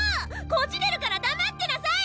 こじれるから黙ってなさい！